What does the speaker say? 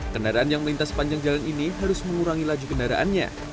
kendaraan yang melintas panjang jalan ini harus mengurangi laju kendaraannya